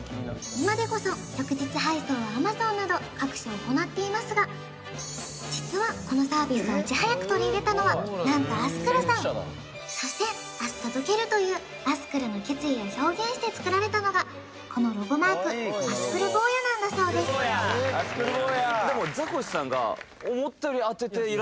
今でこそ翌日配送はＡｍａｚｏｎなど各社行っていますが実はこのサービスをいち早く取り入れたのは何とアスクルさんそして明日届けるというアスクルの決意を表現してつくられたのがこのロゴマークアスクル坊やなんだそうですでもだろ？